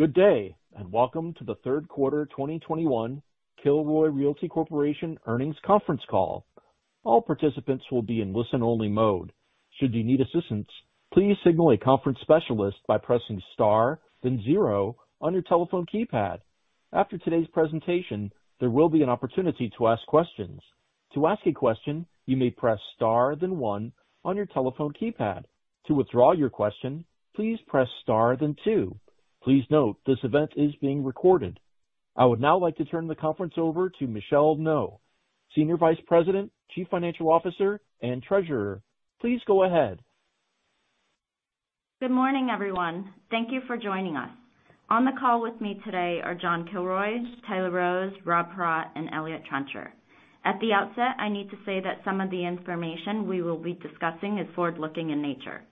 Good day, and welcome to the third quarter 2021 Kilroy Realty Corporation earnings conference call. All participants will be in listen-only mode. Should you need assistance, please signal a conference specialist by pressing star, then zero on your telephone keypad. After today's presentation, there will be an opportunity to ask questions. To ask a question, you may press star then one on your telephone keypad. To withdraw your question, please press star then two. Please note this event is being recorded. I would now like to turn the conference over to Michelle Ngo, Senior Vice President, Chief Financial Officer, and Treasurer. Please go ahead. Good morning, everyone. Thank you for joining us. On the call with me today are John Kilroy, Tyler Rose, Rob Paratte, and Eliott Trencher. At the outset, I need to say that some of the information we will be discussing is forward-looking in nature.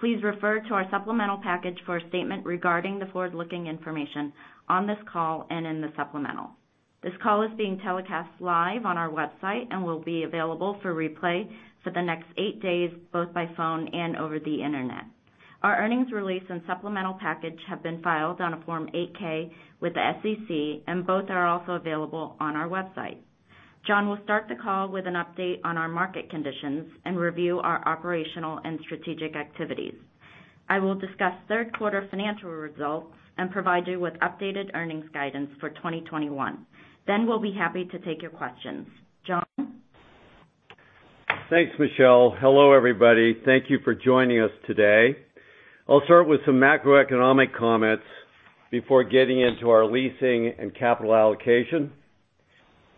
Please refer to our supplemental package for a statement regarding the forward-looking information on this call and in the supplemental. This call is being telecast live on our website and will be available for replay for the next eight days, both by phone and over the internet. Our earnings release and supplemental package have been filed on a Form 8-K with the SEC, and both are also available on our website. John will start the call with an update on our market conditions and review our operational and strategic activities. I will discuss third-quarter financial results and provide you with updated earnings guidance for 2021. Then, we'll be happy to take your questions. John? Thanks, Michelle. Hello, everybody, thank you for joining us today. I'll start with some macroeconomic comments before getting into our leasing and capital allocation.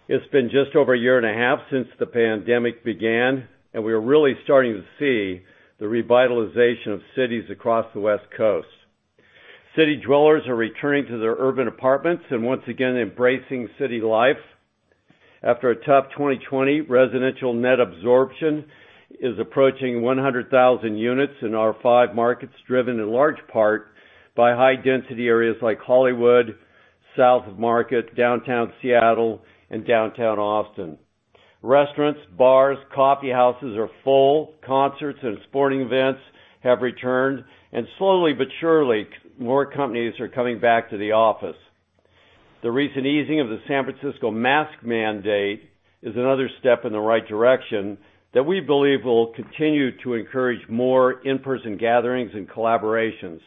It's been just over a year and a half since the pandemic began, and we are really starting to see the revitalization of cities across the West Coast. City dwellers are returning to their urban apartments and once again embracing city life. After a tough 2020, residential net absorption is approaching 100,000 units in our five markets, driven in large part by high-density areas like Hollywood, South of Market, Downtown Seattle, and Downtown Austin. Restaurants, bars, coffee houses are full. Concerts and sporting events have returned, and slowly but surely, more companies are coming back to the office. The recent easing of the San Francisco mask mandate is another step in the right direction that we believe will continue to encourage more in-person gatherings and collaborations.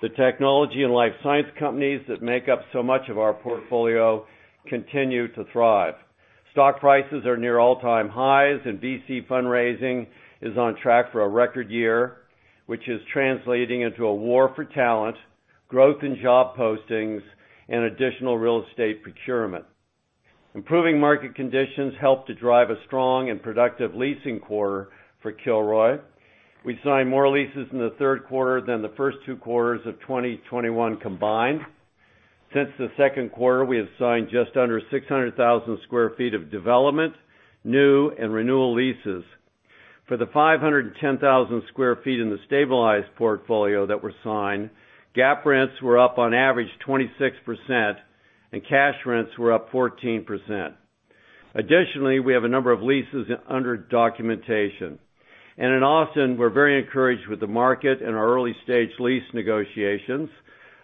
The technology and life science companies that make up so much of our portfolio continue to thrive. Stock prices are near all-time highs, and VC fundraising is on track for a record year, which is translating into a war for talent, growth in job postings, and additional real estate procurement. Improving market conditions help to drive a strong and productive leasing quarter for Kilroy. We signed more leases in the third quarter than the first two quarters of 2021 combined. Since the second quarter, we have signed just under 600,000 sq ft of development, new and renewal leases. For the 510,000 sq ft in the stabilized portfolio that were signed, GAAP rents were up on average 26%, and cash rents were up 14%. Additionally, we have a number of leases under documentation. In Austin, we're very encouraged with the market and our early-stage lease negotiations.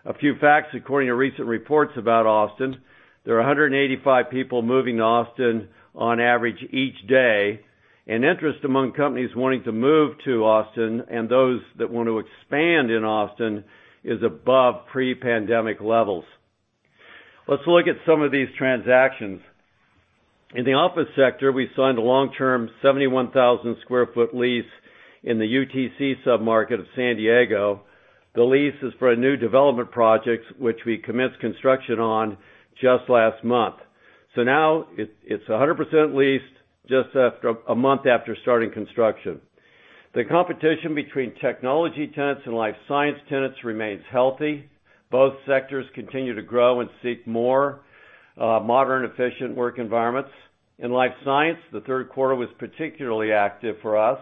A few facts according to recent reports about Austin. There are 185 people moving to Austin on average each day, and interest among companies wanting to move to Austin and those that want to expand in Austin is above pre-pandemic levels. Let's look at some of these transactions. In the office sector, we signed a long-term 71,000 sq ft lease in the UTC sub-market of San Diego. The lease is for a new development project which we commenced construction on just last month. Now, it's 100% leased a month after starting construction. The competition between technology tenants and life science tenants remains healthy. Both sectors continue to grow and seek more modern, efficient work environments. In life science, the third quarter was particularly active for us.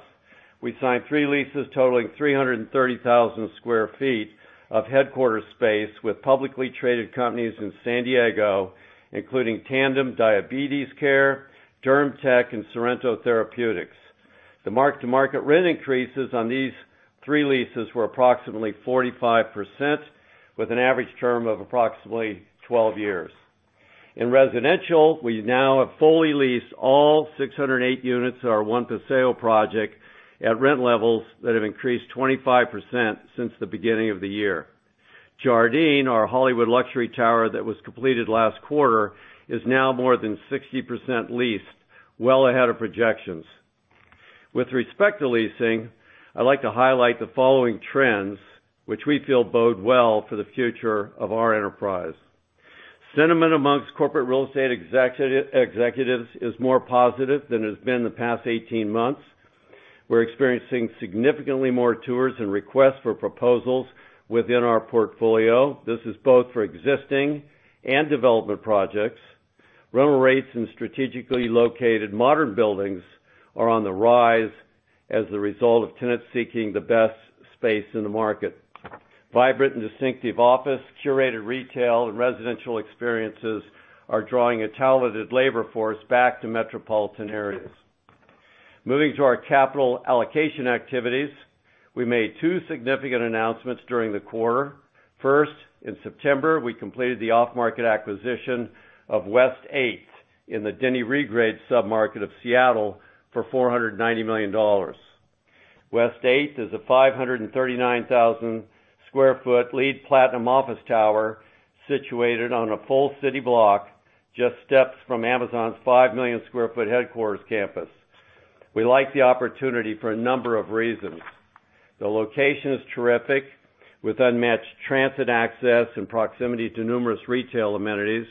We signed three leases totaling 330,000 sq ft of headquarters space with publicly traded companies in San Diego, including Tandem Diabetes Care, DermTech, and Sorrento Therapeutics. The mark-to-market rent increases on these three leases were approximately 45%, with an average term of approximately 12 years. In residential, we now have fully leased all 608 units at our One Paseo project at rent levels that have increased 25% since the beginning of the year. Jardine, our Hollywood luxury tower that was completed last quarter, is now more than 60% leased, well ahead of projections. With respect to leasing, I'd like to highlight the following trends which we feel bode well for the future of our enterprise. Sentiment amongst corporate real estate executives is more positive than it's been in the past 18 months. We're experiencing significantly more tours and requests for proposals within our portfolio. This is both for existing and development projects. Rental rates in strategically located modern buildings are on the rise as a result of tenants seeking the best space in the market. Vibrant and distinctive office, curated retail, and residential experiences are drawing a talented labor force back to metropolitan areas. Moving to our capital allocation activities, we made two significant announcements during the quarter. First, in September, we completed the off-market acquisition of West8 in the Denny Regrade submarket of Seattle for $490 million. West8 is a 539,000 sq ft LEED Platinum office tower situated on a full city block, just steps from Amazon's 5 million sq ft headquarters campus. We like the opportunity for a number of reasons. The location is terrific, with unmatched transit access and proximity to numerous retail amenities.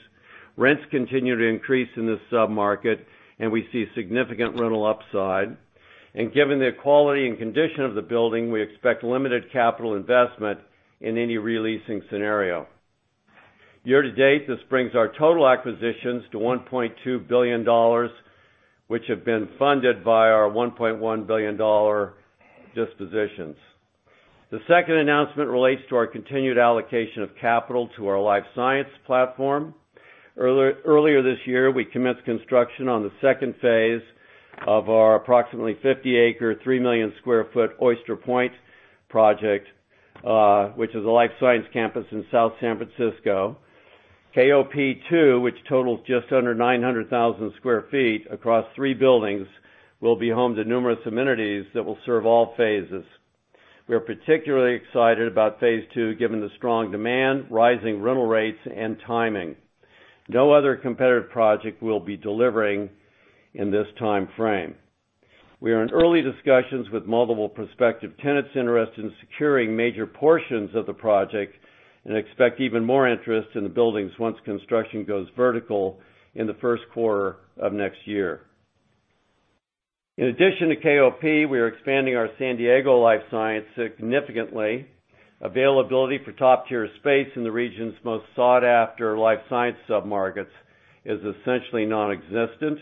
Rents continue to increase in this submarket, and we see significant rental upside. Given the quality and condition of the building, we expect limited capital investment in any re-leasing scenario. Year to date, this brings our total acquisitions to $1.2 billion, which have been funded by our $1.1 billion dispositions. The second announcement relates to our continued allocation of capital to our life science platform. Earlier this year, we commenced construction on the second phase of our approximately 50-acre, 3 million sq ft Oyster Point project, which is a life science campus in South San Francisco. KOP 2 which totals just under 900,000 sq ft across three buildings, will be home to numerous amenities that will serve all phases. We are particularly excited about phase two, given the strong demand, rising rental rates, and timing. No other competitive project will be delivering in this timeframe. We are in early discussions with multiple prospective tenants interested in securing major portions of the project and expect even more interest in the buildings once construction goes vertical in the first quarter of next year. In addition to KOP, we are expanding our San Diego life science significantly. Availability for top-tier space in the region's most sought-after life science submarkets is essentially nonexistent.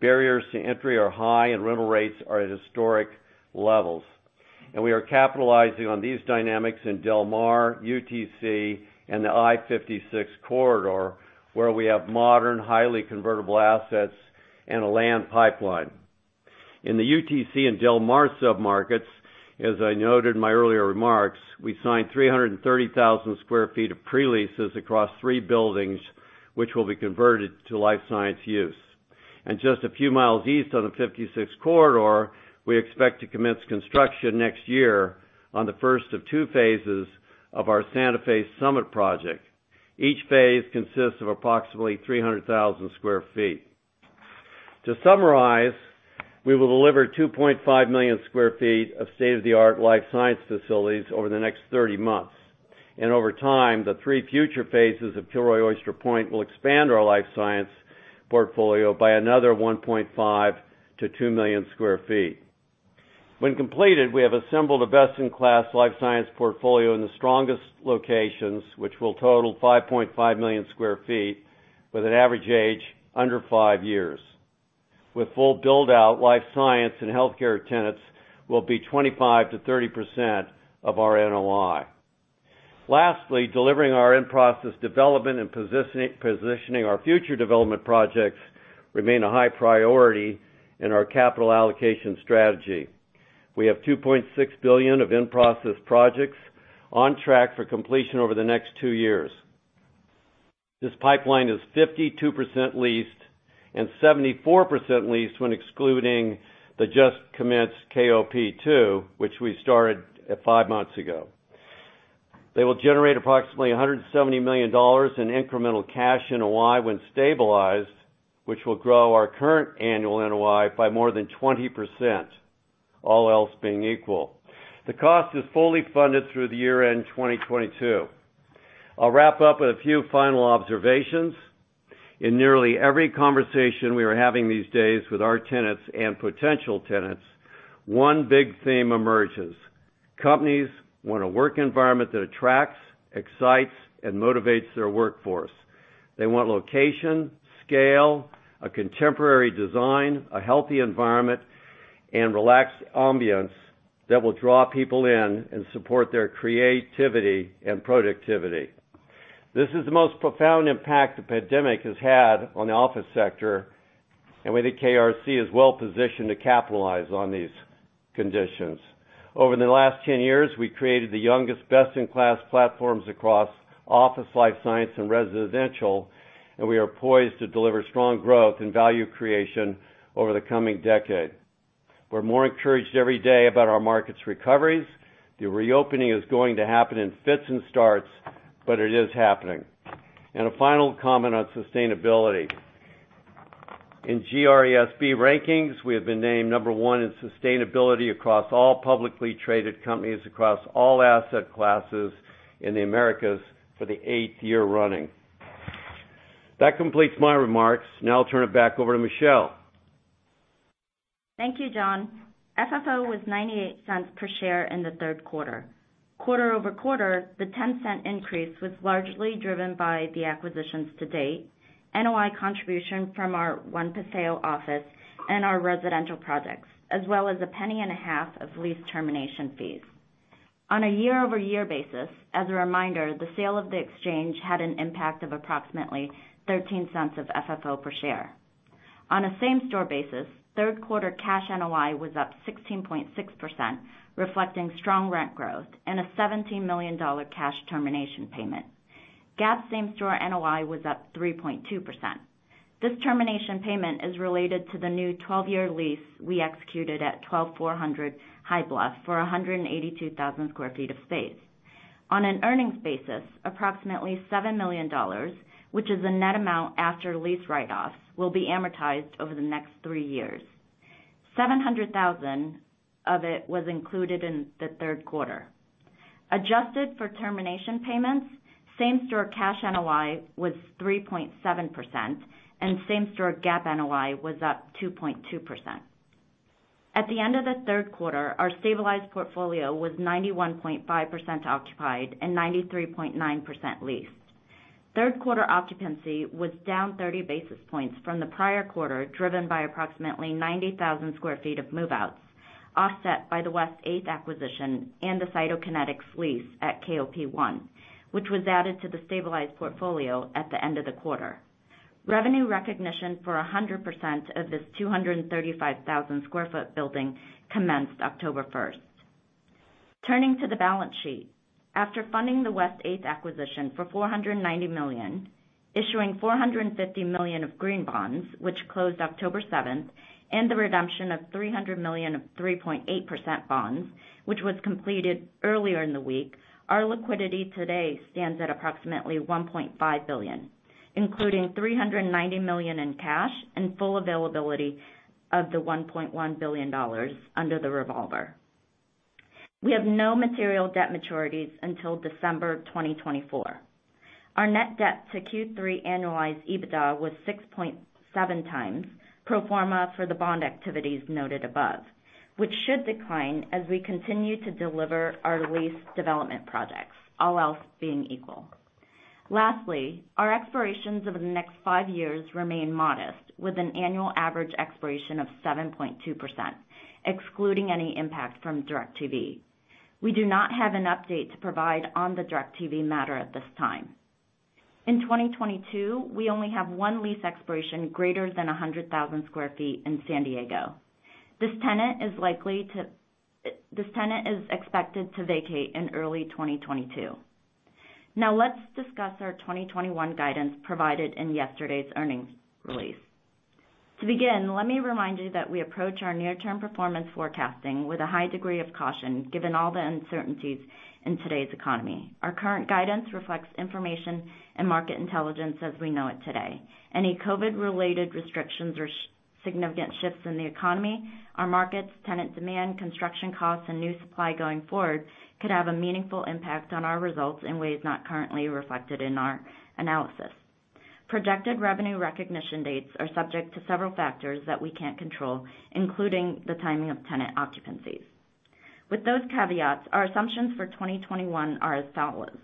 Barriers to entry are high, and rental rates are at historic levels. We are capitalizing on these dynamics in Del Mar, UTC, and the I-56 corridor, where we have modern, highly convertible assets and a land pipeline. In the UTC and Del Mar submarkets, as I noted in my earlier remarks, we signed 330,000 sq ft of pre-leases across 3 buildings, which will be converted to life science use. Just a few miles east on the 56 corridor, we expect to commence construction next year on the first of two phases of our Santa Fe Summit project. Each phase consists of approximately 300,000 sq ft. To summarize, we will deliver 2.5 million sq ft of state-of-the-art life science facilities over the next 30 months. Over time, the three future phases of Kilroy Oyster Point will expand our life science portfolio by another 1.5-2 million sq ft. When completed, we have assembled a best-in-class life science portfolio in the strongest locations, which will total 5.5 million sq ft, with an average age under five years. With full build-out, life science and healthcare tenants will be 25%-30% of our NOI. Lastly, delivering our in-process development and positioning our future development projects remain a high priority in our capital allocation strategy. We have $2.6 billion of in-process projects on track for completion over the next two years. This pipeline is 52% leased and 74% leased when excluding the just-commenced KOP 2, which we started five months ago. They will generate approximately $170 million in incremental cash NOI when stabilized, which will grow our current annual NOI by more than 20%, all else being equal. The cost is fully funded through the year-end 2022. I'll wrap up with a few final observations. In nearly every conversation we are having these days with our tenants and potential tenants, one big theme emerges. Companies want a work environment that attracts, excites, and motivates their workforce. They want location, scale, a contemporary design, a healthy environment, and relaxed ambiance that will draw people in and support their creativity and productivity. This is the most profound impact the pandemic has had on the office sector, and we think KRC is well-positioned to capitalize on these conditions. Over the last 10 years, we created the youngest best-in-class platforms across office, life science, and residential, and we are poised to deliver strong growth and value creation over the coming decade. We're more encouraged every day about our markets' recoveries. The reopening is going to happen in fits and starts, but it is happening. A final comment on sustainability. In GRESB rankings, we have been named number one in sustainability across all publicly traded companies across all asset classes in the Americas for the eighth year running. That completes my remarks. Now, I'll turn it back over to Michelle. Thank you, John. FFO was $0.98 per share in the third quarter. Quarter-over-quarter, the $0.10 increase was largely driven by the acquisitions to date, NOI contribution from our One Paseo office and our residential projects, as well as $0.015 of lease termination fees. On a year-over-year basis, as a reminder, the sale of the exchange had an impact of approximately $0.13 of FFO per share. On a same-store basis, third quarter cash NOI was up 16.6%, reflecting strong rent growth and a $17 million cash termination payment. GAAP same-store NOI was up 3.2%. This termination payment is related to the new 12-year lease we executed at 12400 High Bluff for 182,000 sq ft of space. On an earnings basis, approximately $7 million, which is the net amount after lease write-offs will be amortized over the next three years. $700,000 of it was included in the third quarter. Adjusted for termination payments, same-store cash NOI was 3.7% and same-store GAAP NOI was up 2.2%. At the end of the third quarter, our stabilized portfolio was 91.5% occupied and 93.9% leased. Third quarter occupancy was down 30 basis points from the prior quarter, driven by approximately 90,000 sq ft of move-outs, offset by the West8 acquisition and the Cytokinetics lease at KOP 1, which was added to the stabilized portfolio at the end of the quarter. Revenue recognition for 100% of this 235,000 sq ft building commenced October 1st. Turning to the balance sheet. After funding the West8 acquisition for $490 million, issuing $450 million of green bonds, which closed October 7, and the redemption of $300 million of 3.8% bonds, which was completed earlier in the week, our liquidity today stands at approximately $1.5 billion, including $390 million in cash and full availability of the $1.1 billion under the revolver. We have no material debt maturities until December 2024. Our net debt to Q3 annualized EBITDA was 6.7x pro forma for the bond activities noted above, which should decline as we continue to deliver our lease development projects, all else being equal. Lastly, our expirations over the next five years remain modest, with an annual average expiration of 7.2%, excluding any impact from DIRECTV. We do not have an update to provide on the DIRECTV matter at this time. In 2022, we only have one lease expiration greater than 100,000 sq ft in San Diego. This tenant is expected to vacate in early 2022. Now, let's discuss our 2021 guidance provided in yesterday's earnings release. To begin, let me remind you that we approach our near-term performance forecasting with a high degree of caution, given all the uncertainties in today's economy. Our current guidance reflects information and market intelligence as we know it today. Any COVID-related restrictions or significant shifts in the economy, our markets, tenant demand, construction costs, and new supply going forward could have a meaningful impact on our results in ways not currently reflected in our analysis. Projected revenue recognition dates are subject to several factors that we can't control, including the timing of tenant occupancies. With those caveats, our assumptions for 2021 are as follows: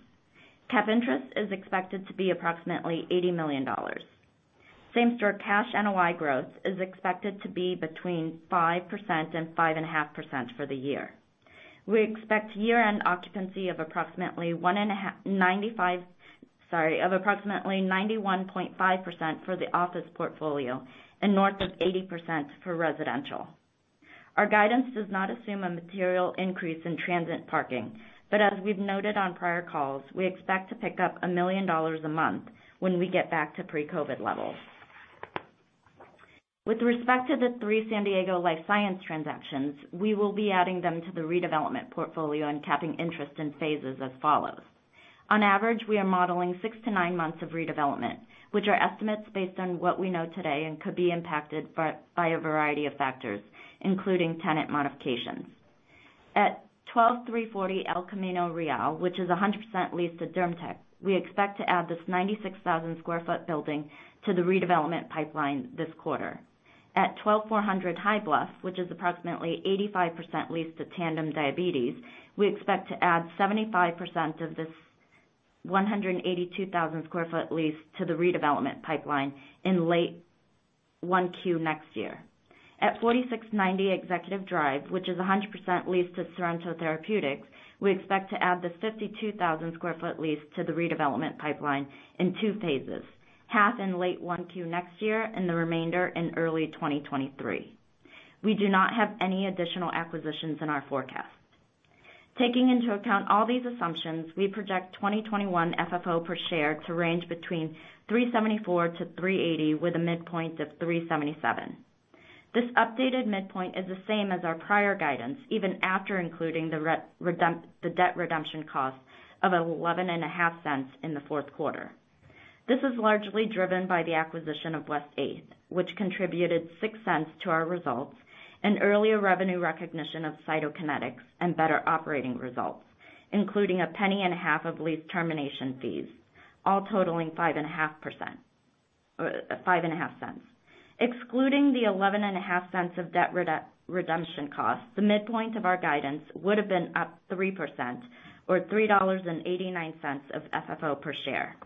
Cap interest is expected to be approximately $80 million. Same-store cash NOI growth is expected to be between 5% and 5.5% for the year. We expect year-end occupancy of approximately 91.5% for the office portfolio and north of 80% for residential. Our guidance does not assume a material increase in transit parking, but as we've noted on prior calls, we expect to pick up $1 million a month when we get back to pre-COVID levels. With respect to the three San Diego life science transactions, we will be adding them to the redevelopment portfolio and capping interest in phases as follows. On average, we are modeling six to nine months of redevelopment, which are estimates based on what we know today and could be impacted by a variety of factors, including tenant modifications. At 12340 El Camino Real, which is 100% leased to DermTech, we expect to add this 96,000 sq ft building to the redevelopment pipeline this quarter. At 12400 High Bluff, which is approximately 85% leased to Tandem Diabetes, we expect to add 75% of this 182,000 sq ft lease to the redevelopment pipeline in late 1Q next year. At 4690 Executive Drive, which is 100% leased to Sorrento Therapeutics, we expect to add this 52,000 sq ft lease to the redevelopment pipeline in two phases, half in late 1Q next year and the remainder in early 2023. We do not have any additional acquisitions in our forecast. Taking into account all these assumptions, we project 2021 FFO per share to range between $3.74 to $3.80, with a midpoint of $3.77. This updated midpoint is the same as our prior guidance, even after including the debt redemption cost of $0.115 in the fourth quarter. This is largely driven by the acquisition of West8 which contributed $0.06 to our results, and earlier revenue recognition of Cytokinetics and better operating results, including $0.015 of lease termination fees, all totaling $0.055. Excluding the $0.115 of debt redemption costs, the midpoint of our guidance would have been up 3% or $3.89 of FFO per share.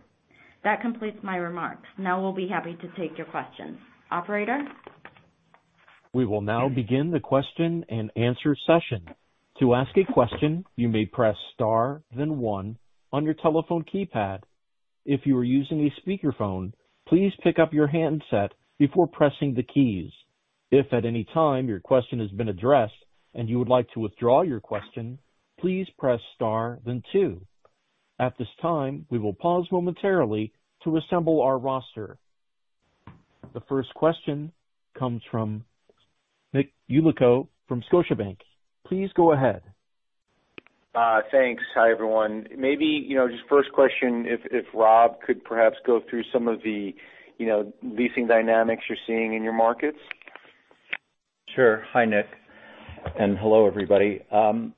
That completes my remarks. Now, we'll be happy to take your questions. Operator? We will now begin the question and answer session. To ask a question, you may press star then one on your telephone keypad. If you are using a speakerphone, please pick up your handset before pressing the keys. If at any time your question has been addressed and you would like to withdraw your question, please press star then two. At this time, we will pause momentarily to assemble our roster. The first question comes from Nick Yulico from Scotiabank. Please go ahead. Thanks. Hi, everyone. Maybe, you know, just first question, if Rob could perhaps go through some of the, you know, leasing dynamics you're seeing in your markets. Sure. Hi Nick, and hello, everybody.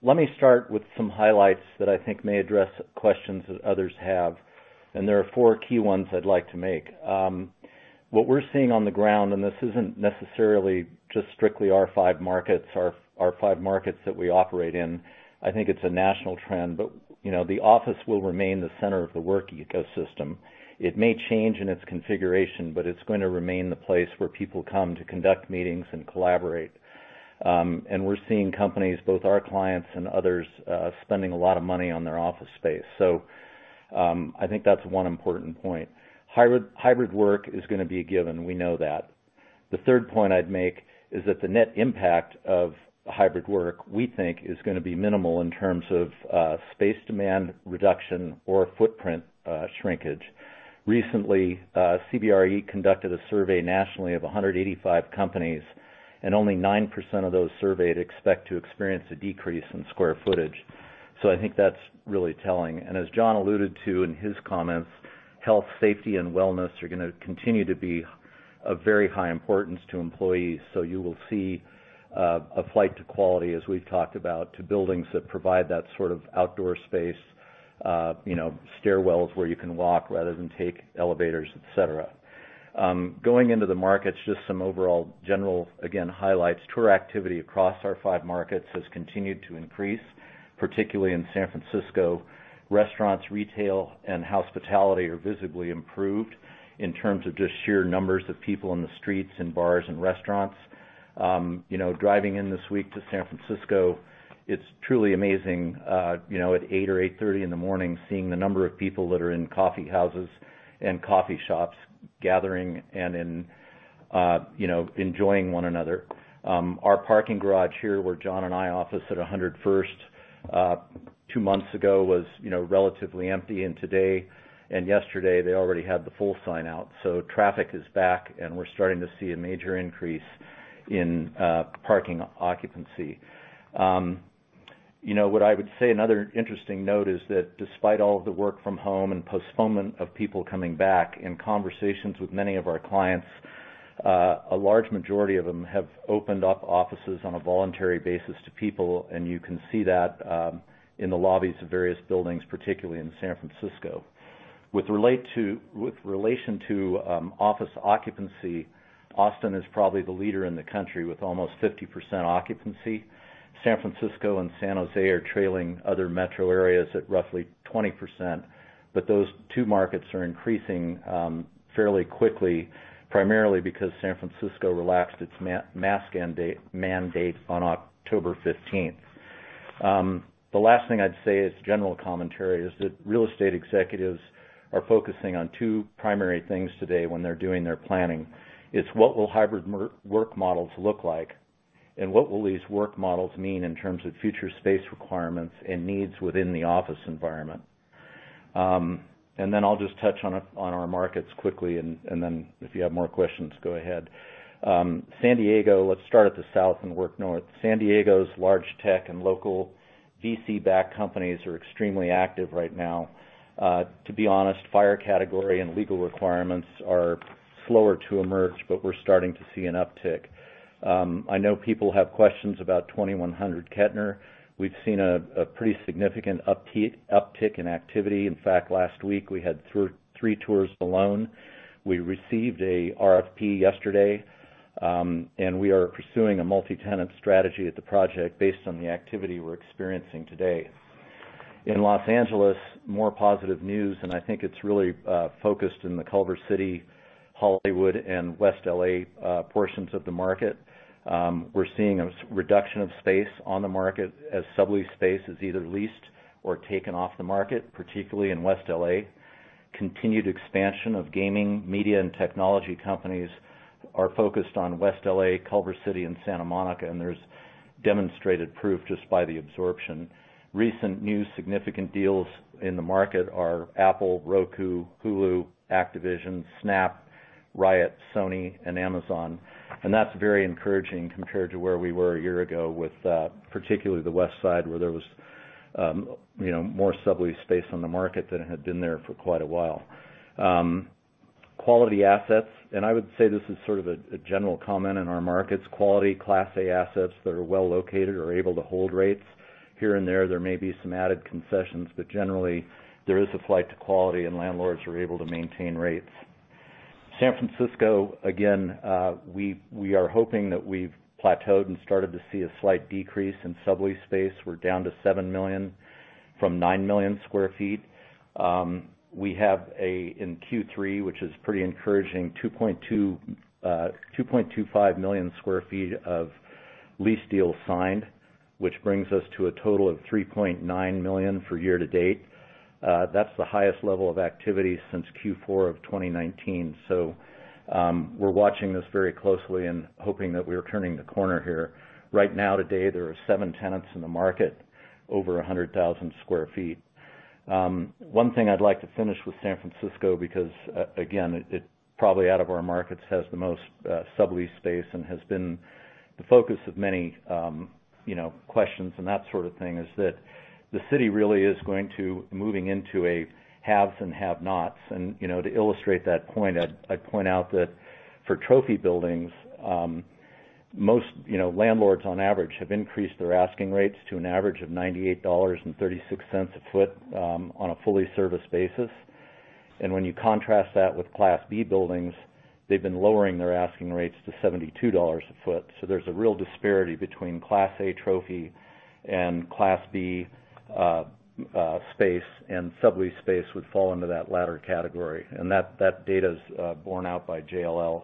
Let me start with some highlights that I think may address questions that others have. There are four key ones I'd like to make. What we're seeing on the ground, and this isn't necessarily just strictly our five markets that we operate in. I think it's a national trend, but you know, the office will remain the center of the work ecosystem. It may change in its configuration but it's gonna remain the place where people come to conduct meetings and collaborate. We're seeing companies, both our clients and others, spending a lot of money on their office space. I think that's one important point. Hybrid work is gonna be a given, we know that. The third point I'd make is that the net impact of hybrid work, we think is gonna be minimal in terms of space demand reduction or footprint shrinkage. Recently, CBRE conducted a survey nationally of 185 companies, and only 9% of those surveyed expect to experience a decrease in square footage. I think that's really telling. And as John alluded to in his comments, health, safety, and wellness are gonna continue to be of very high importance to employees. You will see a flight to quality, as we've talked about, to buildings that provide that sort of outdoor space, you know, stairwells where you can walk rather than take elevators, et cetera. Going into the markets, just some overall general, again, highlights. Tour activity across our five markets has continued to increase, particularly in San Francisco. Restaurants, retail, and hospitality are visibly improved in terms of just sheer numbers of people in the streets and bars and restaurants. You know, driving in this week to San Francisco, it's truly amazing, you know, at 8 or 8:30 A.M., seeing the number of people that are in coffee houses and coffee shops gathering and you know, enjoying one another. Our parking garage here, where John and I office at 100 First, two months ago was, you know, relatively empty. Today and yesterday they already had the full sign out. Traffic is back, and we're starting to see a major increase in parking occupancy. You know, what I would say, another interesting note is that despite all of the work from home and postponement of people coming back in conversations with many of our clients, a large majority of them have opened up offices on a voluntary basis to people. You can see that in the lobbies of various buildings, particularly in San Francisco. With relation to office occupancy, Austin is probably the leader in the country with almost 50% occupancy. San Francisco and San Jose are trailing other metro areas at roughly 20%. Those two markets are increasing fairly quickly, primarily because San Francisco relaxed its mask mandate on October 15th. The last thing I'd say as general commentary is that real estate executives are focusing on two primary things today when they're doing their planning. It's what will hybrid work models look like, and what will these work models mean in terms of future space requirements and needs within the office environment. Then I'll just touch on our markets quickly, and then if you have more questions, go ahead. San Diego, let's start at the south and work north. San Diego's large tech and local VC-backed companies are extremely active right now. To be honest, fire category in legal requirements are slower to emerge, but we're starting to see an uptick. I know people have questions about 2100 Kettner. We've seen a pretty significant uptick in activity. In fact, last week we had three tours alone. We received a RFP yesterday, and we are pursuing a multi-tenant strategy at the project based on the activity we're experiencing today. In Los Angeles, more positive news, and I think it's really focused in the Culver City, Hollywood, and West L.A. portions of the market. We're seeing a reduction of space on the market as sublease space is either leased or taken off the market, particularly in West L.A. Continued expansion of gaming, media, and technology companies are focused on West L.A., Culver City, and Santa Monica, and there's demonstrated proof just by the absorption. Recent new significant deals in the market are Apple, Roku, Hulu, Activision, Snap, Riot, Sony, and Amazon. That's very encouraging compared to where we were a year ago with particularly the West Side, where there was you know more sublease space on the market than had been there for quite a while. Quality assets, and I would say this as sort of a general comment in our markets, quality Class A assets that are well located are able to hold rates. Here and there may be some added concessions, but generally, there is a flight to quality, and landlords are able to maintain rates. San Francisco, again we are hoping that we've plateaued and started to see a slight decrease in sublease space. We're down to 7 million from 9 million sq ft. We have, in Q3, which is pretty encouraging, 2.25 million sq ft of lease deals signed, which brings us to a total of 3.9 million for year-to-date. That's the highest level of activity since Q4 of 2019. We're watching this very closely and hoping that we're turning the corner here. Right now, today, there are seven tenants in the market over 100,000 sq ft. One thing I'd like to finish with San Francisco, because again, it probably out of our markets has the most sublease space and has been the focus of many, you know, questions and that sort of thing, is that the city really is going to moving into a haves and have-nots. You know, to illustrate that point, I'd point out that for trophy buildings, most, you know, landlords on average have increased their asking rates to an average of $98.36 a foot, on a fully serviced basis. When you contrast that with Class B buildings, they've been lowering their asking rates to $72 a foot. There's a real disparity between Class A trophy and Class B space, and sublease space would fall into that latter category. That data is borne out by JLL.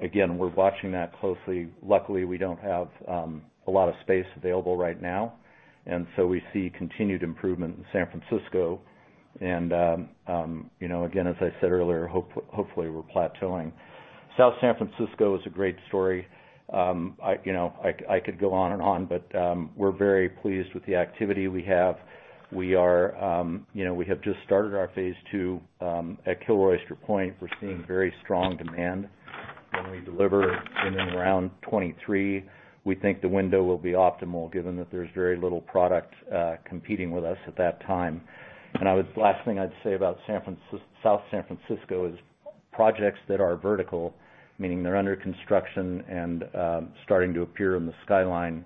Again, we're watching that closely. Luckily, we don't have a lot of space available right now, and so we see continued improvement in San Francisco. You know, again, as I said earlier, hopefully we're plateauing. South San Francisco is a great story. You know, I could go on and on, but we're very pleased with the activity we have. You know, we have just started our phase two at Kilroy Oyster Point. We're seeing very strong demand when we deliver in and around 2023. We think the window will be optimal given that there's very little product competing with us at that time. Last thing I'd say about South San Francisco is projects that are vertical, meaning they're under construction and starting to appear in the skyline,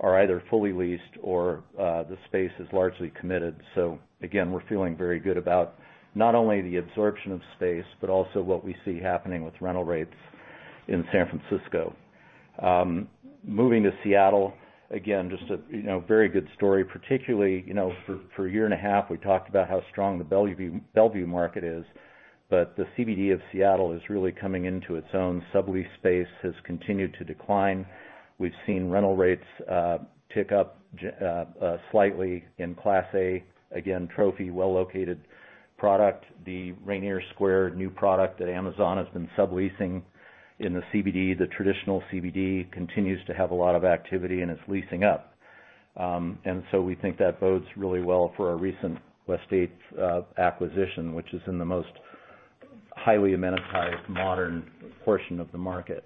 are either fully leased or the space is largely committed. We're feeling very good about not only the absorption of space, but also what we see happening with rental rates in San Francisco. Moving to Seattle, again just a very good story, particularly for a year and a half, we talked about how strong the Bellevue market is, but the CBD of Seattle is really coming into its own. Sublease space has continued to decline. We've seen rental rates tick up slightly in Class A, again trophy, well-located product. The Rainier Square new product that Amazon has been subleasing in the CBD, the traditional CBD, continues to have a lot of activity, and it's leasing up. We think that bodes really well for our recent West8 acquisition, which is in the most highly amenitized modern portion of the market.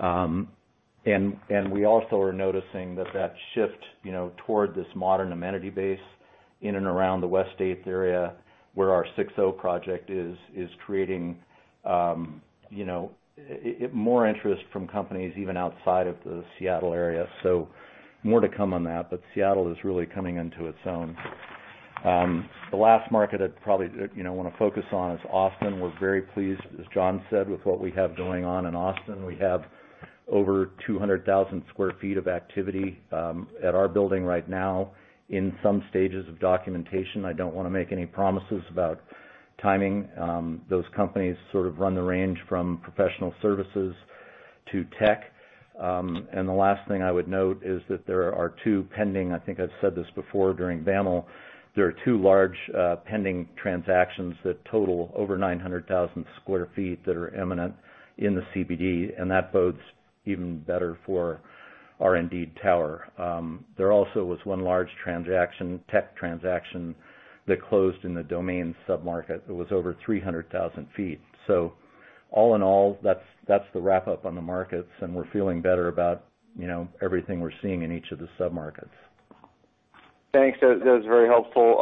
We also are noticing that that shift, you know, toward this modern amenity base in and around the West8 area, where our SIXO project is creating more interest from companies even outside of the Seattle area. More to come on that but Seattle is really coming into its own. The last market I'd probably, you know, wanna focus on is Austin. We're very pleased, as John said, with what we have going on in Austin. We have over 200,000 sq ft of activity at our building right now in some stages of documentation. I don't wanna make any promises about timing. Those companies sort of run the range from professional services to tech. The last thing I would note is that there are two pending. I think I've said this before during BAML. There are two large pending transactions that total over 900,000 sq ft that are imminent in the CBD, and that bodes even better for Indeed Tower. There also was one large transaction, tech transaction, that closed in The Domain submarket. It was over 300,000 feet. All in all, that's the wrap up on the markets, and we're feeling better about, you know, everything we're seeing in each of the sub-markets. Thanks. That was very helpful.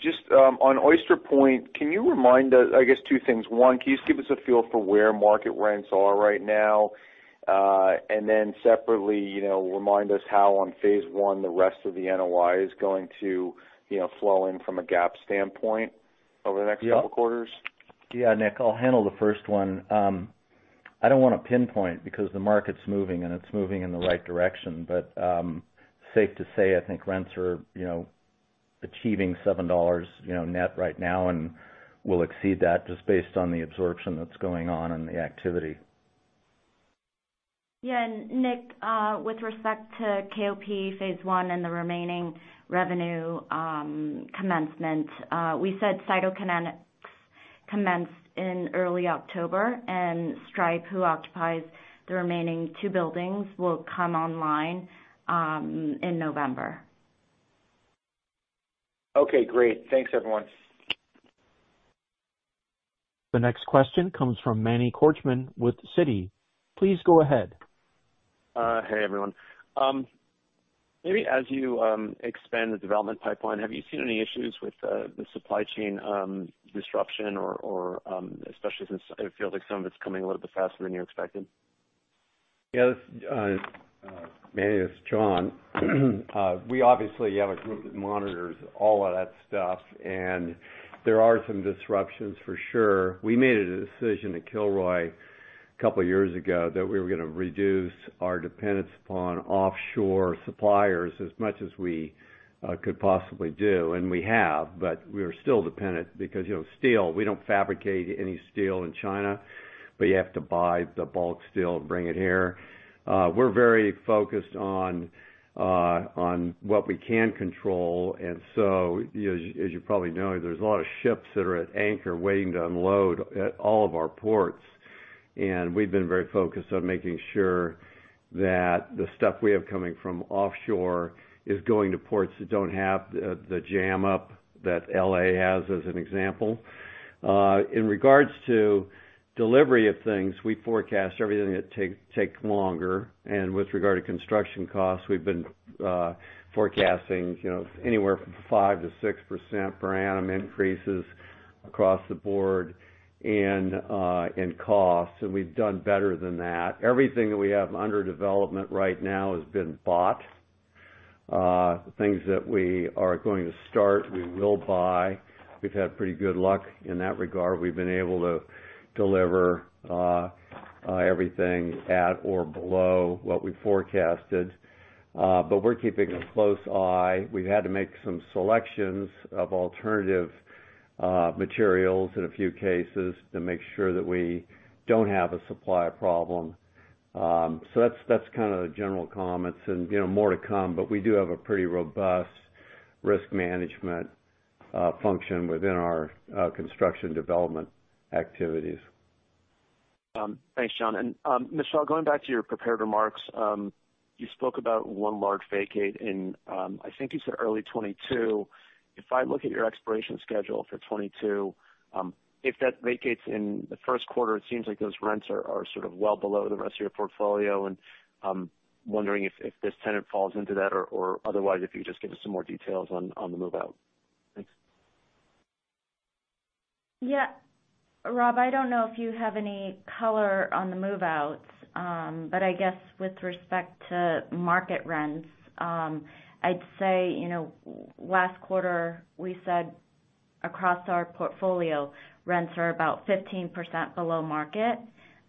Just on Oyster Point, can you remind us, I guess two things. One, can you just give us a feel for where market rents are right now? Then separately, you know, remind us how on phase one, the rest of the NOI is going to flow in from a GAAP standpoint over the next couple quarters. Yeah, Nick, I'll handle the first one. I don't wanna pinpoint because the market's moving and it's moving in the right direction. Safe to say, I think rents are, you know, achieving $7, you know, net right now and will exceed that just based on the absorption that's going on and the activity. Nick, with respect to KOP phase one and the remaining revenue commencement, we said Cytokinetics commenced in early October, and Stripe, who occupies the remaining two buildings, will come online in November. Okay, great. Thanks, everyone. The next question comes from Manny Korchman with Citi. Please go ahead. Hey, everyone. Maybe as you expand the development pipeline, have you seen any issues with the supply chain disruption or especially since it feels like some of it's coming a little bit faster than you expected? Yeah. Manny, it's John. We obviously have a group that monitors all of that stuff, and there are some disruptions for sure. We made a decision at Kilroy. A couple years ago that we were gonna reduce our dependence upon offshore suppliers as much as we could possibly do, and we have, but we are still dependent because you know, steel, we don't fabricate any steel in China, but you have to buy the bulk steel and bring it here. We're very focused on what we can control. You know, as you probably know, there's a lot of ships that are at anchor waiting to unload at all of our ports. We've been very focused on making sure that the stuff we have coming from offshore is going to ports that don't have the jam up that L.A. has, as an example. In regards to delivery of things, we forecast everything that takes longer. With regard to construction costs, we've been forecasting, you know, anywhere from 5%-6% per annum increases across the board in costs. We've done better than that. Everything that we have under development right now has been bought. Things that we are going to start, we will buy. We've had pretty good luck in that regard. We've been able to deliver everything at or below what we forecasted. We're keeping a close eye. We've had to make some selections of alternative materials in a few cases to make sure that we don't have a supply problem. That's kinda the general comments and, you know, more to come but we do have a pretty robust risk management function within our construction development activities. Thanks, John. Michelle, going back to your prepared remarks, you spoke about one large vacate in, I think you said early 2022. If I look at your expiration schedule for 2022, if that vacates in the first quarter, it seems like those rents are sort of well below the rest of your portfolio. I'm wondering if this tenant falls into that or otherwise if you just give us some more details on the move-out. Thanks. Yeah. Rob, I don't know if you have any color on the move-outs. I guess with respect to market rents, I'd say you know, last quarter we said across our portfolio, rents are about 15% below market.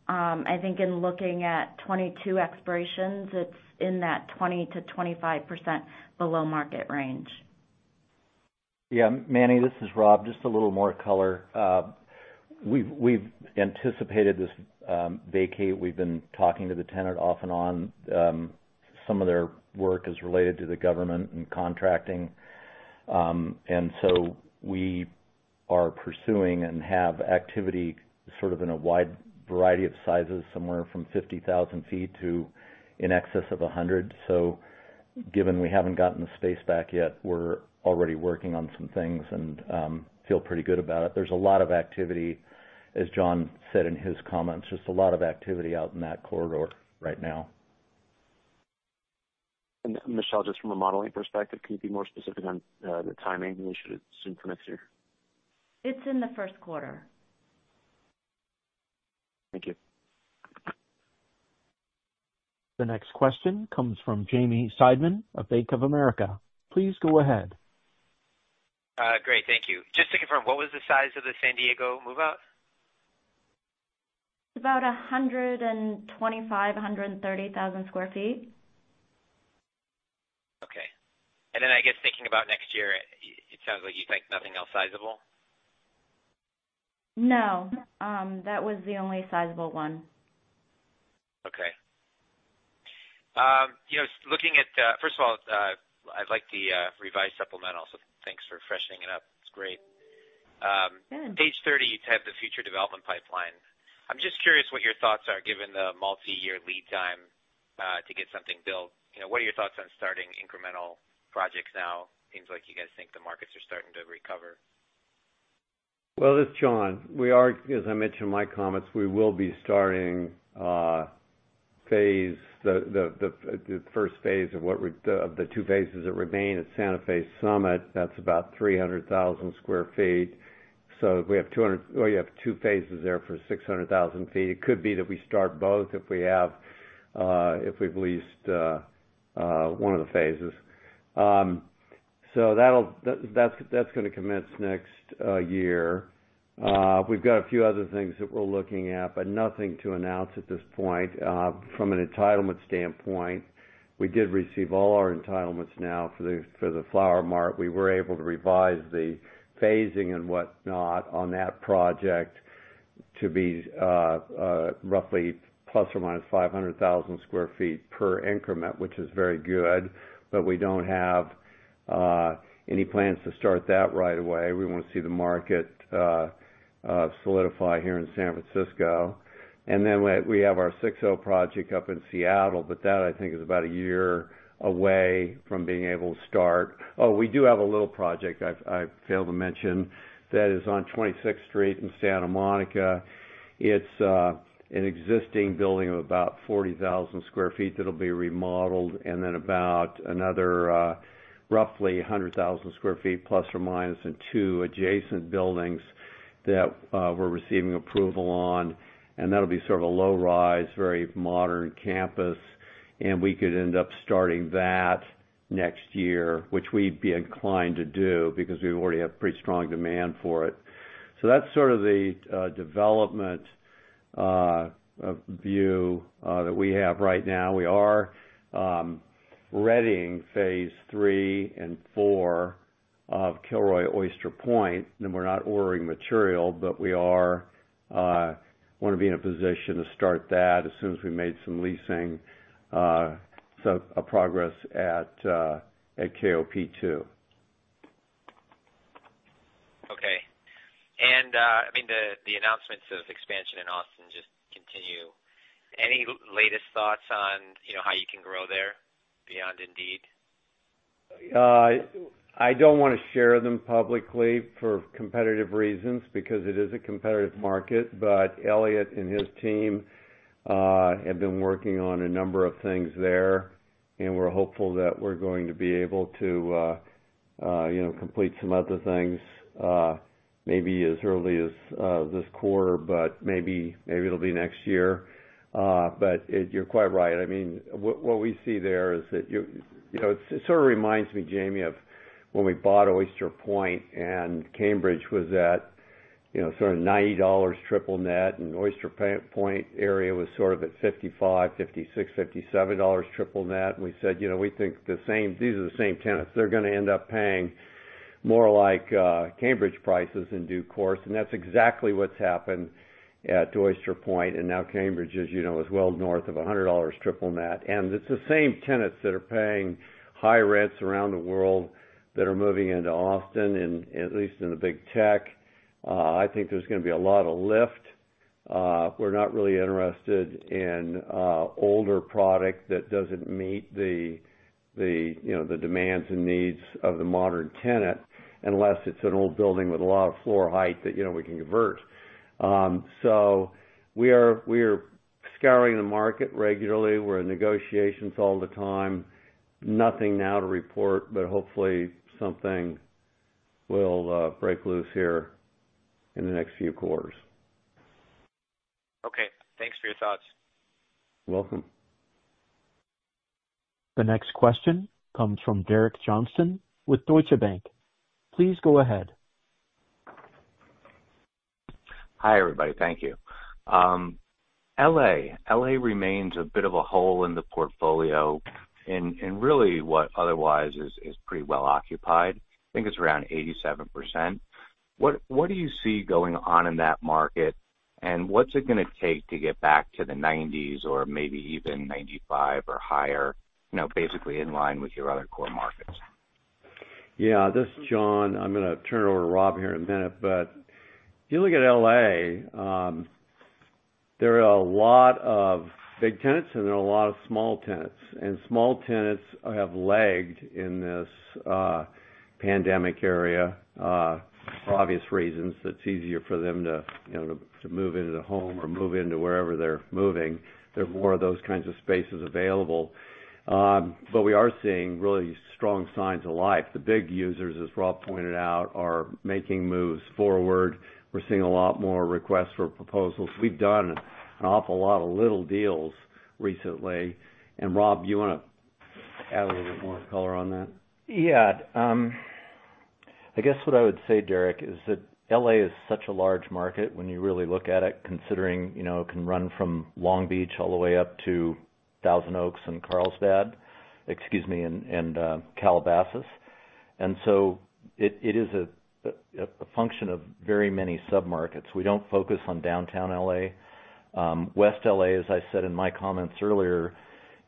I think in looking at 2022 expirations, it's in that 20%-25% below market range. Yeah. Manny, this is Rob. Just a little more color. We've anticipated this vacate. We've been talking to the tenant off and on. Some of their work is related to the government and contracting. We are pursuing and have activity sort of in a wide variety of sizes, somewhere from 50,000 feet to in excess of 100. Given we haven't gotten the space back yet, we're already working on some things and feel pretty good about it. There's a lot of activity, as John said in his comments, there's a lot of activity out in that corridor right now. Michelle, just from a modeling perspective, can you be more specific on the timing? You said it's soon for next year. It's in the first quarter. Thank you. The next question comes from Jamie Seidman of Bank of America. Please go ahead. Great, thank you. Just to confirm, what was the size of the San Diego move-out? About 125-130 thousand sq ft. Okay. I guess, thinking about next year, it sounds like you expect nothing else sizable. No. That was the only sizable one. Okay. You know, looking at, first of all, I like the revised supplemental. Thanks for freshening it up. It's great. Yeah. Page 30, you'd had the future development pipeline. I'm just curious what your thoughts are, given the multi-year lead time to get something built. You know, what are your thoughts on starting incremental projects now? Seems like you guys think the markets are starting to recover. Well, it's John. As I mentioned in my comments, we will be starting the first phase of the two phases that remain at Santa Fe Summit. That's about 300,000 sq ft. So we have two phases there for 600,000 sq ft. It could be that we start both if we've leased one of the phases. So that's gonna commence next year. We've got a few other things that we're looking at, but nothing to announce at this point. From an entitlement standpoint, we did receive all our entitlements now for the Flower Mart. We were able to revise the phasing and whatnot on that project to be roughly ±500,000 sq ft per increment which is very good, but we don't have any plans to start that right away. We wanna see the market solidify here in San Francisco. Then we have our SIXO project up in Seattle, but that, I think, is about a year away from being able to start. We do have a little project I failed to mention that is on 26th Street in Santa Monica. It's an existing building of about 40,000 sq ft that'll be remodeled, and then about another, roughly ±100,000 sq ft in two adjacent buildings that we're receiving approval on. That'll be sort of a low rise, very modern campus. We could end up starting next year, which we'd be inclined to do because we already have pretty strong demand for it. That's sort of the development overview that we have right now. We are readying phase three and four of Kilroy Oyster Point, and we're not ordering material, but we are wanna be in a position to start that as soon as we made some leasing, so some progress at KOP 2. Okay. I mean, the announcements of expansion in Austin just continue. Any latest thoughts on, you know, how you can grow there beyond Indeed? I don't wanna share them publicly for competitive reasons, because it is a competitive market. Eliott and his team have been working on a number of things there. We're hopeful that we're going to be able to you know, complete some other things, maybe as early as this quarter, but maybe it'll be next year. You're quite right. I mean, what we see there is that you know, it sort of reminds me, Jamie, of when we bought Oyster Point and Cambridge was at you know, sort of $90 triple net, and Oyster Point area was sort of at $55, $56, $57 triple net. We said, "You know, we think the same. These are the same tenants. They're gonna end up paying more like, Cambridge prices in due course." That's exactly what's happened at Oyster Point. Now Cambridge is as well north of $100 triple net. It's the same tenants that are paying high rents around the world that are moving into Austin, and at least in the big tech. I think there's gonna be a lot of lift. We're not really interested in older product that doesn't meet the demands and needs of the modern tenant, unless it's an old building with a lot of floor height that we can convert. We are scouring the market regularly. We're in negotiations all the time. Nothing now to report, but hopefully something will break loose here in the next few quarters. Okay. Thanks for your thoughts. You're welcome. The next question comes from Derek Johnston with Deutsche Bank. Please go ahead. Hi, everybody. Thank you. L.A. remains a bit of a hole in the portfolio in really what otherwise is pretty well occupied. I think it's around 87%. What do you see going on in that market, and what's it gonna take to get back to the 90s or maybe even 95 or higher, you know, basically in line with your other core markets? Yeah. This is John. I'm gonna turn it over to Rob here in a minute. If you look at L.A., there are a lot of big tenants and there are a lot of small tenants. Small tenants have lagged in this pandemic era, for obvious reasons. It's easier for them to, you know, move into home or move into wherever they're moving. There are more of those kinds of spaces available. We are seeing really strong signs of life. The big users, as Rob pointed out, are making moves forward. We're seeing a lot more requests for proposals. We've done an awful lot of little deals recently. Rob, you wanna add a little bit more color on that? Yeah. I guess what I would say, Derek, is that L.A. is such a large market when you really look at it, considering, you know, it can run from Long Beach all the way up to Thousand Oaks and Carlsbad - excuse me, and Calabasas. It is a function of very many sub-markets. We don't focus on Downtown L.A. West L.A., as I said in my comments earlier,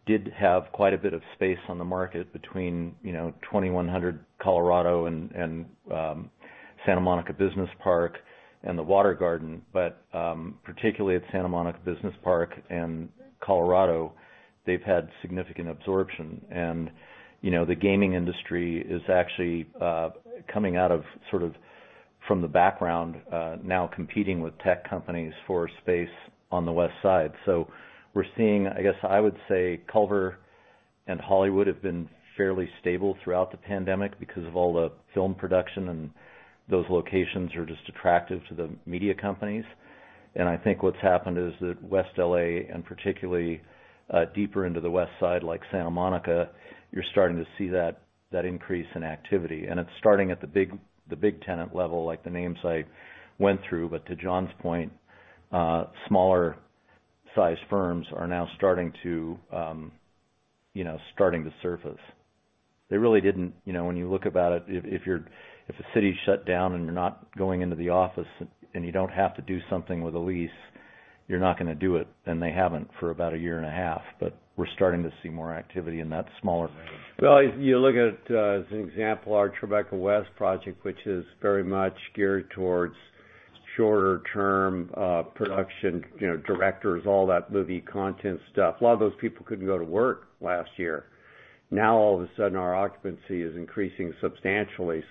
did have quite a bit of space on the market between, you know, 2100 Colorado and Santa Monica Business Park and The Water Garden. But particularly at Santa Monica Business Park and Colorado, they've had significant absorption. You know, the gaming industry is actually coming out of sort of from the background now competing with tech companies for space on the West Side. We're seeing, I guess I would say Culver and Hollywood have been fairly stable throughout the pandemic because of all the film production, and those locations are just attractive to the media companies. I think what's happened is that West L.A., and particularly deeper into the West Side, like Santa Monica, you're starting to see that increase in activity. It's starting at the big tenant level, like the names I went through. To John's point, smaller-sized firms are now starting to surface. They really didn't. You know, when you look at it, if a city's shut down and you're not going into the office and you don't have to do something with a lease, you're not gonna do it, and they haven't for about a year and a half but we're starting to see more activity in that smaller - Well, if you look at, as an example, our Tribeca West project, which is very much geared towards shorter term, production, you know, directors, all that movie content stuff. A lot of those people couldn't go to work last year. Now, all of a sudden, our occupancy is increasing substantially.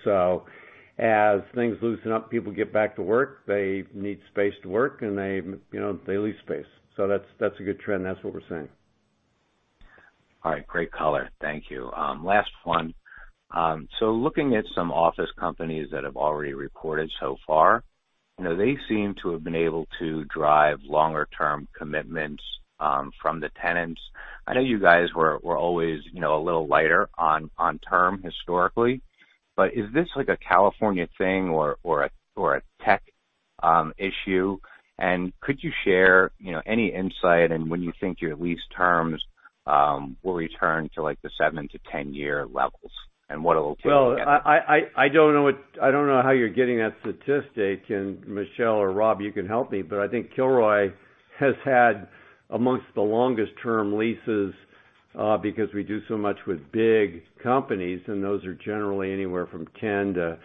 As things loosen up, people get back to work, they need space to work, and they, you know, they lease space. That's a good trend. That's what we're seeing. All right. Great color. Thank you. Last one. Looking at some office companies that have already reported so far, you know, they seem to have been able to drive longer-term commitments from the tenants. I know you guys were always, you know, a little lighter on term historically, but is this like a California thing or a tech issue? Could you share, you know, any insight into when you think your lease terms will return to like the 7-10 year levels and what it'll take to get there? Well, I don't know how you're getting that statistic, and Michelle or Rob, you can help me, but I think Kilroy has had amongst the longest term leases, because we do so much with big companies, and those are generally anywhere from 10 to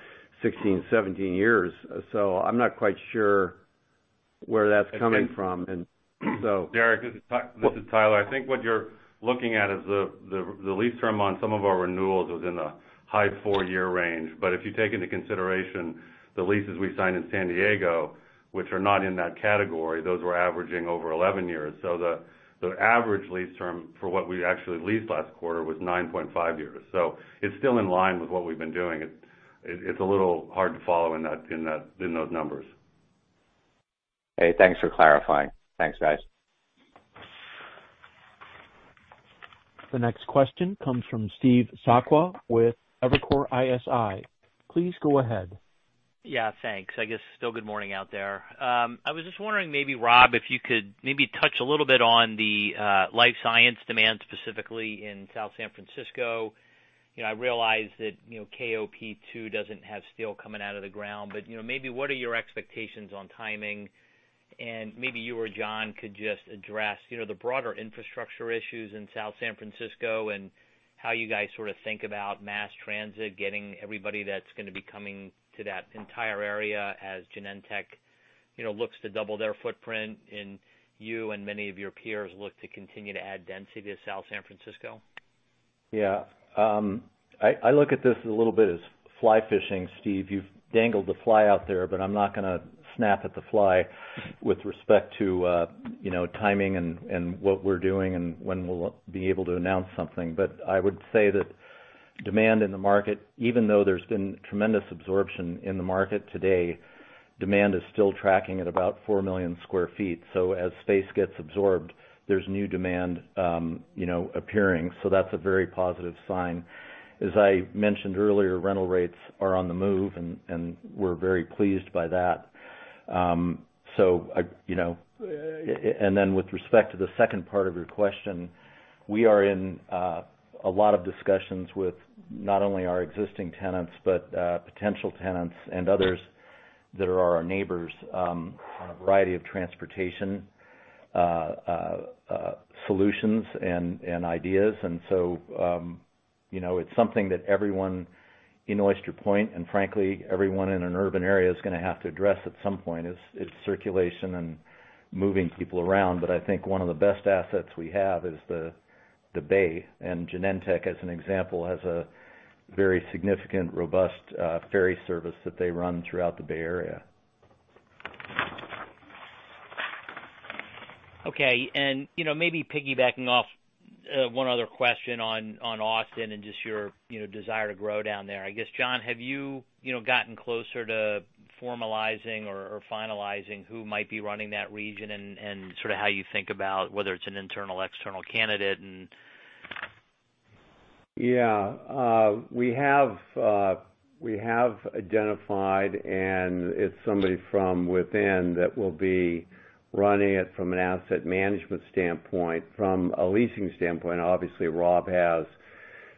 16, 17 years. I'm not quite sure where that's coming from. Derek, this is Tyler. I think what you're looking at is the lease term on some of our renewals was in the high four-year range. If you take into consideration the leases we signed in San Diego, which are not in that category, those were averaging over 11 years. The average lease term for what we actually leased last quarter was 9.5 years. It's still in line with what we've been doing. It's a little hard to follow in those numbers. Hey, thanks for clarifying. Thanks, guys. The next question comes from Steve Sakwa with Evercore ISI. Please go ahead. Yeah, thanks. I guess, still good morning out there. I was just wondering, maybe Rob, if you could maybe touch a little bit on the life science demand, specifically in South San Francisco. You know, I realize that, you know, KOP-2 doesn't have steel coming out of the ground. But you know, maybe what are your expectations on timing, and maybe you or John could just address, you know, the broader infrastructure issues in South San Francisco and how you guys sort of think about mass transit, getting everybody that's gonna be coming to that entire area as Genentech, you know, looks to double their footprint, and you and many of your peers look to continue to add density to South San Francisco? Yeah. I look at this a little bit as fly fishing, Steve. You've dangled the fly out there, but I'm not gonna snap at the fly with respect to, you know, timing and what we're doing and when we'll be able to announce something. I would say that demand in the market, even though there's been tremendous absorption in the market today, demand is still tracking at about 4 million sq ft. As space gets absorbed, there's new demand, you know, appearing. That's a very positive sign. As I mentioned earlier, rental rates are on the move and we're very pleased by that. With respect to the second part of your question, we are in a lot of discussions with not only our existing tenants, but potential tenants and others that are our neighbors, on a variety of transportation solutions and ideas. You know, it's something that everyone in Oyster Point, and frankly, everyone in an urban area is gonna have to address at some point, is circulation and moving people around. I think one of the best assets we have is the bay, and Genentech, as an example, has a very significant, robust ferry service that they run throughout the Bay Area. Okay. You know, maybe piggybacking off one other question on Austin and just your, you know, desire to grow down there. I guess, John, have you know, gotten closer to formalizing or finalizing who might be running that region and sort of how you think about whether it's an internal/external candidate? Yeah. We have identified, and it's somebody from within that will be running it from an asset management standpoint. From a leasing standpoint, obviously Rob has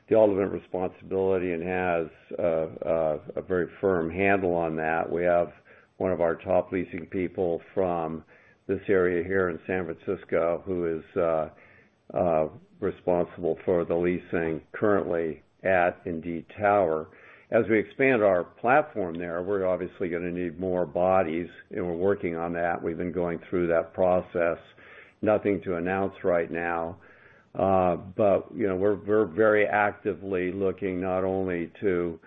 the ultimate responsibility and has a very firm handle on that. We have one of our top leasing people from this area here in San Francisco, who is responsible for the leasing currently at Indeed Tower. As we expand our platform there, we're obviously gonna need more bodies, and we're working on that. We've been going through that process. Nothing to announce right now. You know, we're very actively looking not only to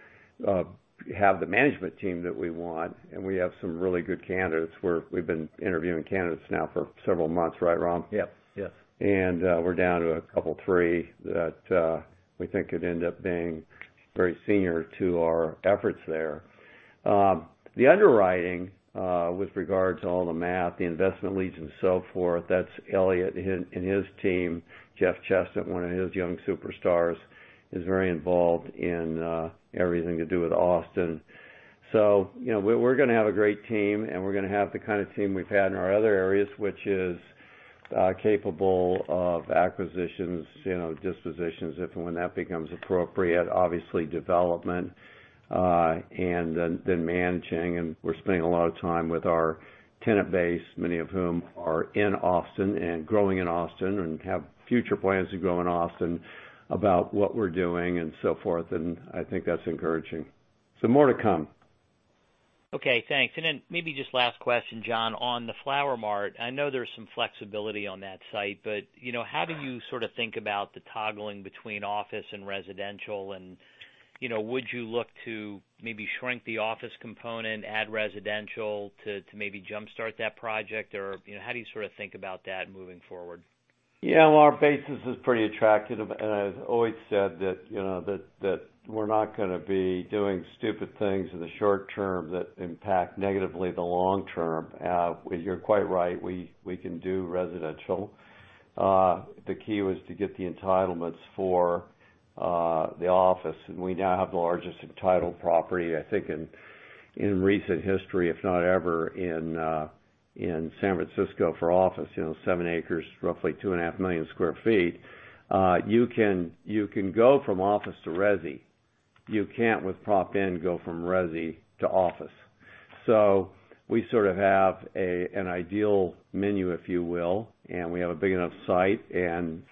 have the management team that we want, and we have some really good candidates. We've been interviewing candidates now for several months, right, Rob? Yep. Yes. We're down to a couple three that we think could end up being very senior to our efforts there. The underwriting with regards to all the math, the investment leads and so forth, that's Eliott and his team. Jeff Chestnut, one of his young superstars, is very involved in everything to do with Austin. You know, we're gonna have a great team, and we're gonna have the kind of team we've had in our other areas, which is capable of acquisitions, you know, dispositions if and when that becomes appropriate, obviously development, and then managing. We're spending a lot of time with our tenant base, many of whom are in Austin and growing in Austin and have future plans to grow in Austin, about what we're doing and so forth, and I think that's encouraging. So, more to come. Okay, thanks. Maybe just last question, John. On the Flower Mart, I know there's some flexibility on that site, but, you know, how do you sort of think about the toggling between office and residential and, you know, would you look to maybe shrink the office component, add residential to maybe jumpstart that project, or you know, how do you sort of think about that moving forward? Yeah, well our basis is pretty attractive, and I've always said that, you know, that we're not gonna be doing stupid things in the short term that impact negatively the long term. You're quite right, we can do residential. The key was to get the entitlements for the office, and we now have the largest entitled property, I think in recent history, if not ever, in San Francisco for office. You know, seven acres, roughly 2.5 million sq ft. You can go from office to resi. You can't, with Prop M, go from resi to office. So we sort of have an ideal menu, if you will, and we have a big enough site and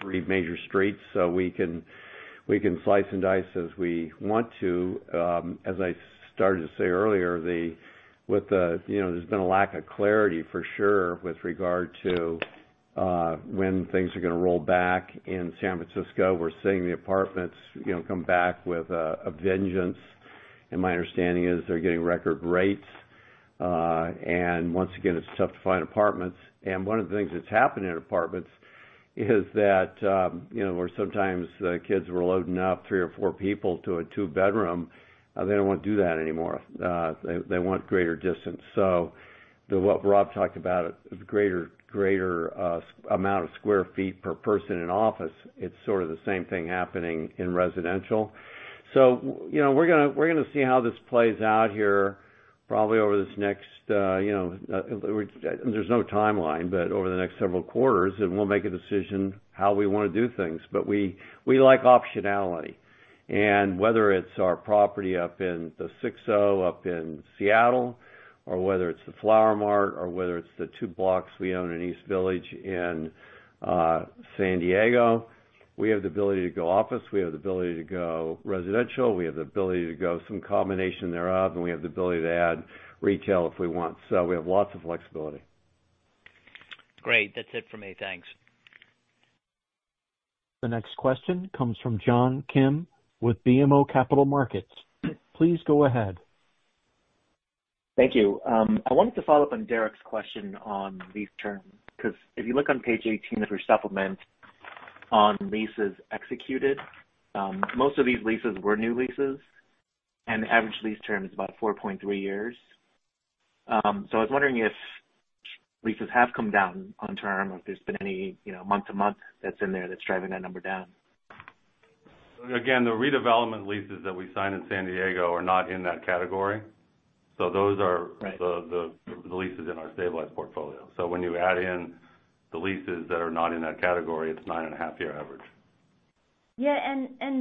three major streets, so we can slice and dice as we want to. As I started to say earlier, you know, there's been a lack of clarity for sure with regard to when things are gonna roll back in San Francisco. We're seeing the apartments, you know, come back with a vengeance, and my understanding is they're getting record rates. Once again, it's tough to find apartments. One of the things that's happened in apartments is that, you know, where sometimes the kids were loading up three or four people to a two bedroom, they don't wanna do that anymore. They want greater distance. What Rob talked about, a greater amount of square feet per person in office, it's sort of the same thing happening in residential. You know, we're gonna see how this plays out here probably over this next. There's no timeline, but over the next several quarters, and we'll make a decision how we wanna do things, but we like optionality. Whether it's our property up in the SIXO, up in Seattle, or whether it's the Flower Mart, or whether it's the two blocks we own in East Village in San Diego, we have the ability to go office, we have the ability to go residential, we have the ability to go some combination thereof, and we have the ability to add retail if we want. We have lots of flexibility. Great. That's it for me. Thanks. The next question comes from John Kim with BMO Capital Markets. Please go ahead. Thank you. I wanted to follow up on Derek's question on lease terms, 'cause if you look on page 18 of your supplement on leases executed, most of these leases were new leases, and the average lease term is about 4.3 years. I was wondering if leases have come down on term or if there's been any, you know, month-to-month that's in there that's driving that number down. Again, the redevelopment leases that we signed in San Diego are not in that category, so those are the leases in our stabilized portfolio. When you add in the leases that are not in that category, it's a 9.5-year average. Yeah.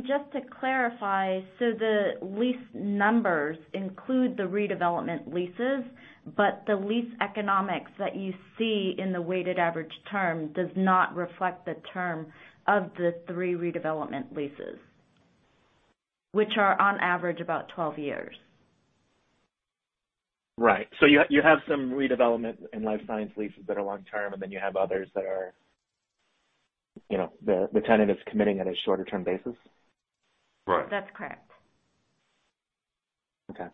Just to clarify, the lease numbers include the redevelopment leases, but the lease economics that you see in the weighted average term does not reflect the term of the three redevelopment leases, which are on average about 12 years. Right. You have some redevelopment in life science leases that are long term, and then you have others that are - you know, the tenant is committing at a shorter-term basis? Right. That's correct. Okay.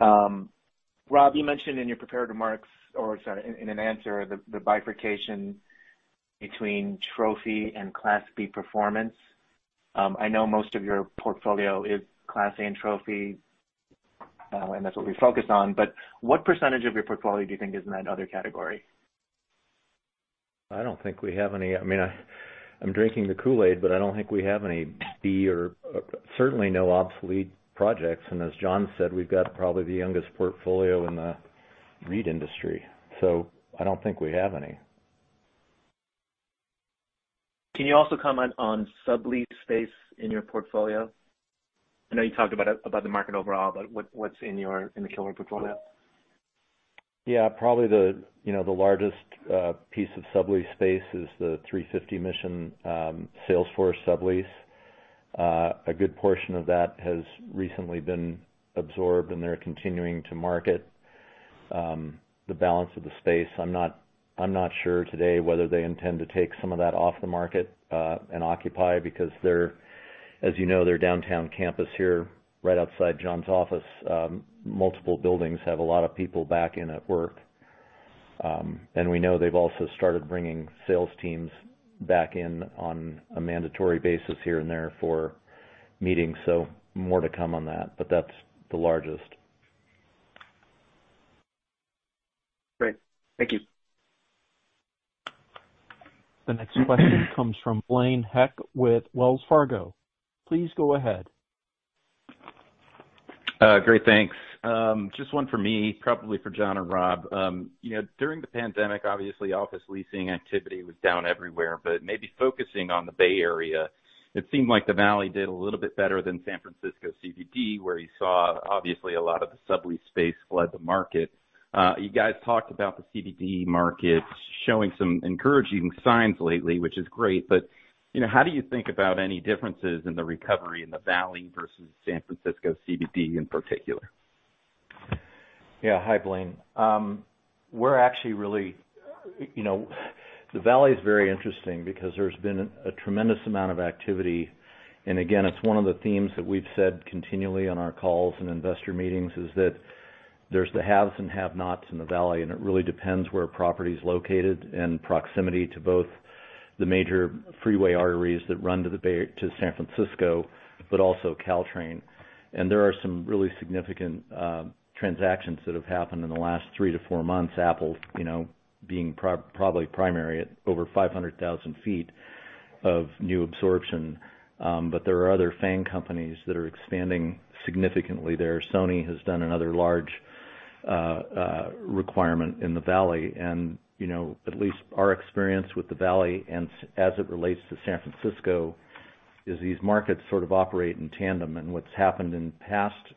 Rob, you mentioned in an answer the bifurcation between trophy and Class B performance. I know most of your portfolio is Class A and trophy, and that's what we focus on, but what percentage of your portfolio do you think is in that other category? I don't think we have any. I mean, I'm drinking the Kool-Aid, but I don't think we have any B or certainly no obsolete projects. As John said, we've got probably the youngest portfolio in the REIT industry, so I don't think we have any. Can you also comment on sublease space in your portfolio? I know you talked about it, about the market overall, but what's in the Kilroy portfolio? Yeah. Probably, you know, the largest piece of sublease space is the 350 Mission Salesforce sublease. A good portion of that has recently been absorbed, and they're continuing to market the balance of the space. I'm not sure today whether they intend to take some of that off the market and occupy, because as you know, their downtown campus here right outside John's office multiple buildings have a lot of people back in at work, and we know they've also started bringing sales teams back in on a mandatory basis here and there for meetings. More to come on that, but that's the largest. Great. Thank you. The next question comes from Blaine Heck with Wells Fargo. Please go ahead. Great. Thanks. Just one for me, probably for John and Rob. You know, during the pandemic, obviously office leasing activity was down everywhere, but maybe focusing on the Bay Area, it seemed like the Valley did a little bit better than San Francisco CBD, where you saw obviously a lot of the sublease space flood the market. You guys talked about the CBD market showing some encouraging signs lately, which is great, but, you know, how do you think about any differences in the recovery in the Valley versus San Francisco CBD in particular? Yeah. Hi, Blaine. We're actually really. You know, the Valley is very interesting because there's been a tremendous amount of activity. Again, it's one of the themes that we've said continually on our calls and investor meetings, is that there's the haves and have-nots in the Valley, and it really depends where a property is located and proximity to both the major freeway arteries that run to San Francisco, but also Caltrain. There are some really significant transactions that have happened in the last three to four months, Apple you know, being probably primary at over 500,000 feet of new absorption. But there are other FAANG companies that are expanding significantly there. Sony has done another large requirement in the Valley. You know, at least our experience with the Valley and as it relates to San Francisco, is these markets sort of operate in tandem. What's happened in past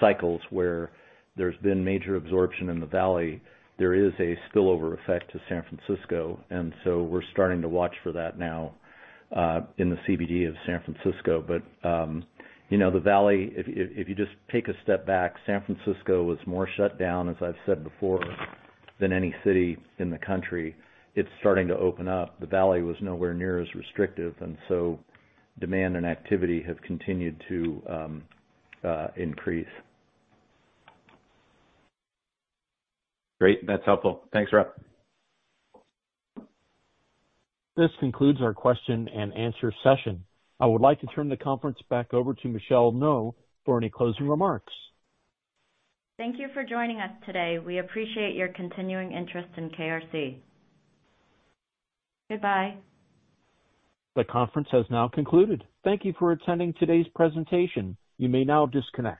cycles where there's been major absorption in the Valley, there is a spillover effect to San Francisco. We're starting to watch for that now in the CBD of San Francisco. You know, the Valley, if you just take a step back, San Francisco was more shut down, as I've said before, than any city in the country. It's starting to open up. The Valley was nowhere near as restrictive and so demand and activity have continued to increase. Great. That's helpful. Thanks, Rob. This concludes our question and answer session. I would like to turn the conference back over to Michelle Ngo for any closing remarks. Thank you for joining us today. We appreciate your continuing interest in KRC. Goodbye. The conference has now concluded. Thank you for attending today's presentation. You may now disconnect.